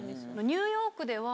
ニューヨークでは。